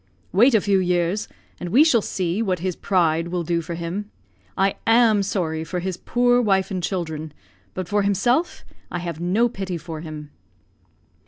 "Wait a few years, and we shall see what his pride will do for him. I am sorry for his poor wife and children; but for himself, I have no pity for him."